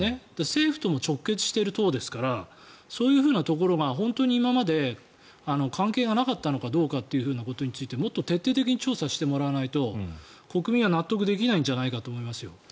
政府とも直結している党ですからそういうふうなところが本当に今まで関係がなかったのかどうかということについてもっと徹底的に調査してもらわないと国民は納得できないんじゃないかと思いますよ。